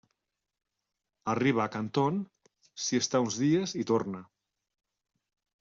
Arriba a Canton, s'hi està uns quants dies i torna.